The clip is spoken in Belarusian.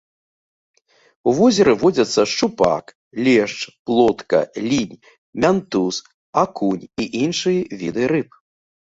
У возеры водзяцца шчупак, лешч, плотка, лінь, мянтуз, акунь і іншыя віды рыб.